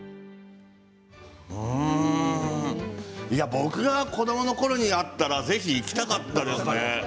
僕が子どものころにあったらぜひ行きたかったですね。